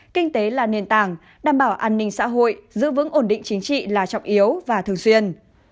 kinh tế là nền tảng đảm bảo an ninh xã hội giữ vững ổn định chính trị là trọng yếu và thường xuyên